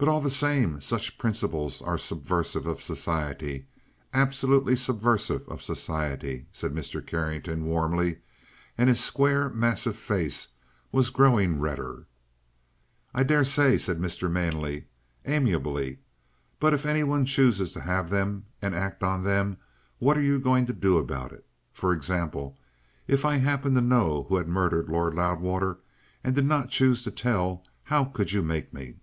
"But, all the same, such principles are subversive of society absolutely subversive of society," said Mr. Carrington warmly, and his square, massive face was growing redder. "I daresay," said Mr. Manley amiably. "But if any one chooses to have them, and act on them, what are you going to do about it? For example, if I happened to know who had murdered Lord Loudwater and did not choose to tell, how could you make me?"